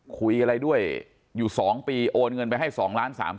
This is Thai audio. คุยอะไรด้วยอยู่๒ปีโอนเงินไปให้๒ล้าน๓๐๐